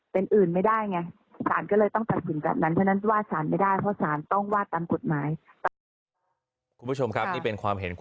เป็นอื่นไม่ได้ไงศาลก็เลยต้องตัดสินแบบนั้น